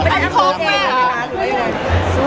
มิงแน่มาอันนที่แหลมเช้า